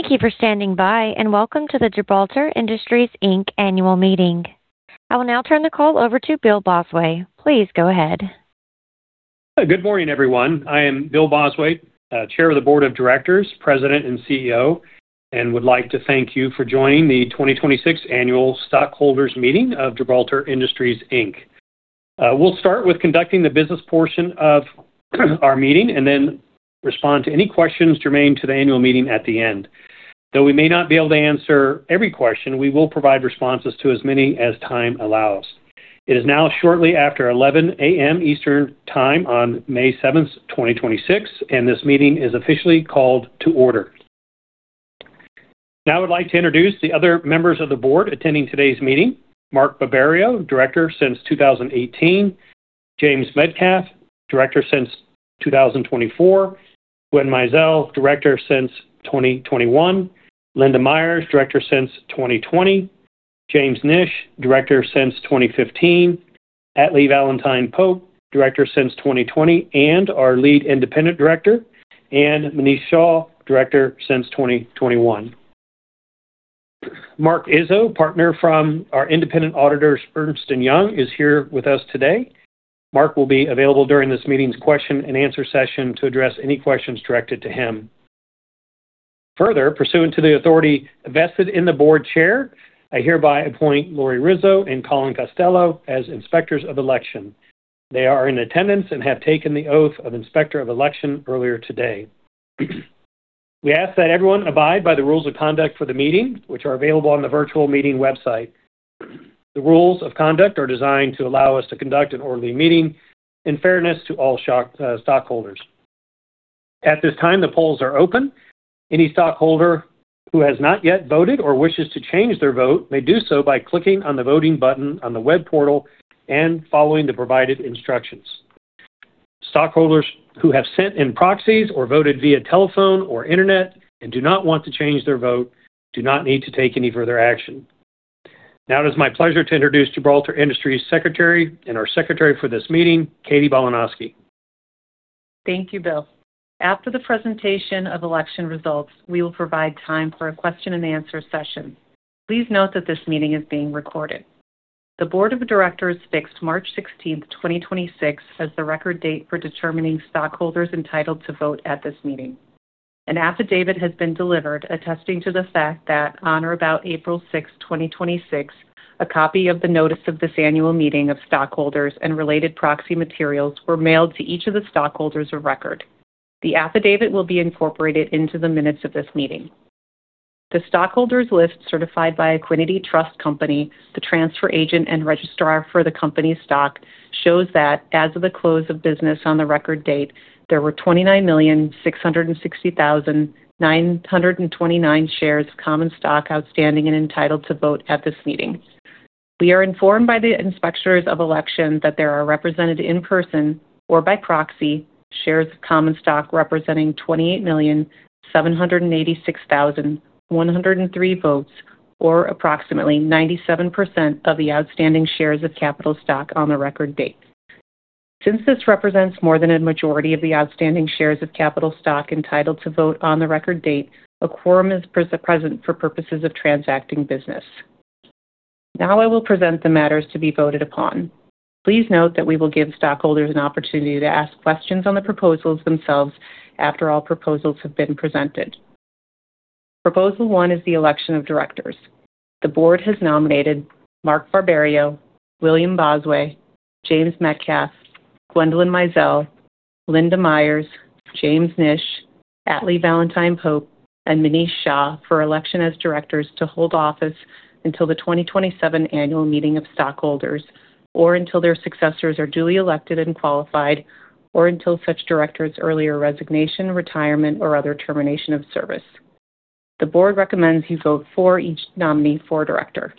Thank you for standing by, and welcome to the Gibraltar Industries, Inc. annual meeting. I will now turn the call over to Bill Bosway. Please go ahead. Good morning, everyone. I am Bill Bosway, Chairman of the Board of Directors, President, and CEO, and would like to thank you for joining the 2026 annual stockholders meeting of Gibraltar Industries, Inc. We'll start with conducting the business portion of our meeting and then respond to any questions germane to the annual meeting at the end. Though we may not be able to answer every question, we will provide responses to as many as time allows. It is now shortly after 11:00 A.M. Eastern Time on May 7, 2026, and this meeting is officially called to order. Now I would like to introduce the other members of the board attending today's meeting. Mark Barberio, Director since 2018. James Metcalf, Director since 2024. Gwen Mizell, Director since 2021. Linda Myers, Director since 2020. James Nish, Director since 2015. Atlee Valentine Pope, Director since 2020 and our Lead Independent Director. Manish Shah, Director since 2021. Marc Izzo, Partner from our independent auditors, Ernst & Young, is here with us today. Marc will be available during this meeting's question-and-answer session to address any questions directed to him. Further, pursuant to the authority vested in the Board Chair, I hereby appoint Lori Rizzo and Colin Costello as Inspectors of Election. They are in attendance and have taken the oath of Inspector of Election earlier today. We ask that everyone abide by the rules of conduct for the meeting, which are available on the virtual meeting website. The rules of conduct are designed to allow us to conduct an orderly meeting in fairness to all stockholders. At this time, the polls are open. Any stockholder who has not yet voted or wishes to change their vote may do so by clicking on the voting button on the web portal and following the provided instructions. Stockholders who have sent in proxies or voted via telephone or internet and do not want to change their vote do not need to take any further action. It is my pleasure to introduce Gibraltar Industries' Secretary and our secretary for this meeting, Katie Bolanowski. Thank you, Bill. After the presentation of election results, we will provide time for a question and answer session. Please note that this meeting is being recorded. The Board of Directors fixed March 16th, 2026 as the record date for determining stockholders entitled to vote at this meeting. An affidavit has been delivered attesting to the fact that on or about April 6th, 2026, a copy of the notice of this annual meeting of stockholders and related proxy materials were mailed to each of the stockholders of record. The affidavit will be incorporated into the minutes of this meeting. The stockholders list certified by Equiniti Trust Company, the transfer agent and registrar for the company stock, shows that as of the close of business on the record date, there were 29,660,929 shares common stock outstanding and entitled to vote at this meeting. We are informed by the Inspectors of Election that there are represented in person or by proxy shares of common stock representing 28,786,103 votes, or approximately 97% of the outstanding shares of capital stock on the record date. Since this represents more than a majority of the outstanding shares of capital stock entitled to vote on the record date, a quorum is present for purposes of transacting business. Now I will present the matters to be voted upon. Please note that we will give stockholders an opportunity to ask questions on the proposals themselves after all proposals have been presented. Proposal one is the election of directors. The board has nominated Mark Barberio, William Bosway, James Metcalf, Gwendolyn Mizell, Linda Myers, James Nish, Atlee Valentine Pope, and Manish Shah for election as directors to hold office until the 2027 annual meeting of stockholders or until their successors are duly elected and qualified, or until such director's earlier resignation, retirement, or other termination of service. The board recommends you vote for each nominee for director.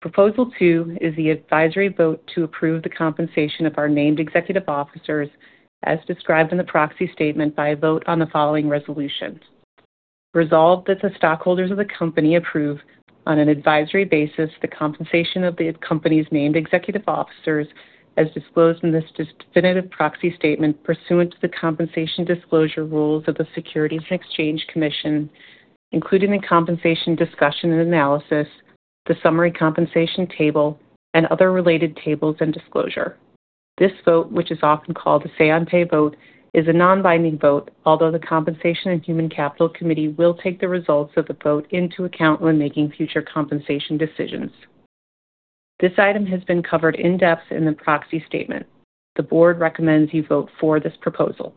Proposal two is the advisory vote to approve the compensation of our named executive officers as described in the proxy statement by a vote on the following resolutions. Resolved that the stockholders of the company approve on an advisory basis the compensation of the company's named executive officers as disclosed in this definitive proxy statement pursuant to the compensation disclosure rules of the Securities and Exchange Commission, including the compensation discussion and analysis, the summary compensation table, and other related tables and disclosure. This vote, which is often called a say-on-pay vote, is a non-binding vote, although the Compensation and Human Capital Committee will take the results of the vote into account when making future compensation decisions. This item has been covered in depth in the proxy statement. The board recommends you vote for this proposal.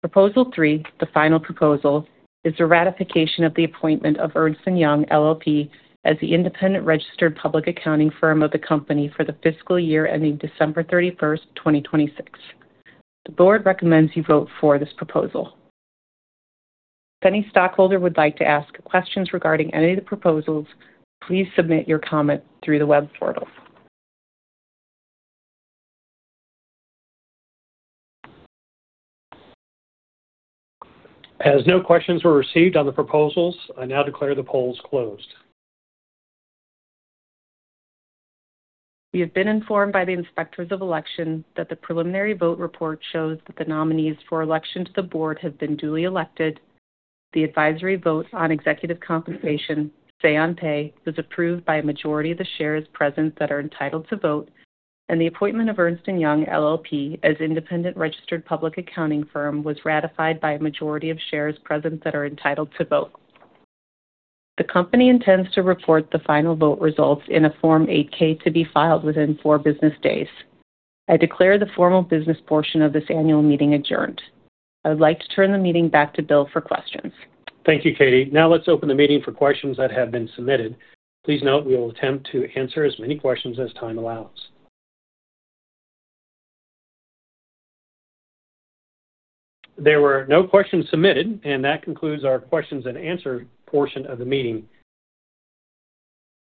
Proposal three, the final proposal, is the ratification of the appointment of Ernst & Young LLP as the independent registered public accounting firm of the company for the fiscal year ending December 31st, 2026. The board recommends you vote for this proposal. If any stockholder would like to ask questions regarding any of the proposals, please submit your comment through the web portal. As no questions were received on the proposals, I now declare the polls closed. We have been informed by the Inspectors of Election that the preliminary vote report shows that the nominees for election to the board have been duly elected. The advisory vote on executive compensation, say-on-pay, was approved by a majority of the shares present that are entitled to vote, and the appointment of Ernst & Young LLP as independent registered public accounting firm was ratified by a majority of shares present that are entitled to vote. The company intends to report the final vote results in a Form 8-K to be filed within four business days. I declare the formal business portion of this annual meeting adjourned. I would like to turn the meeting back to Bill for questions. Thank you, Katie. Let's open the meeting for questions that have been submitted. Please note we will attempt to answer as many questions as time allows. There were no questions submitted, and that concludes our questions-and-answer portion of the meeting.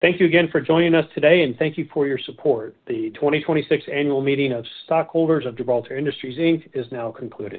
Thank you again for joining us today, and thank you for your support. The 2026 annual meeting of stockholders of Gibraltar Industries, Inc. is now concluded.